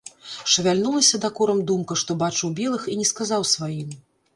Шавяльнулася дакорам думка, што бачыў белых і не сказаў сваім.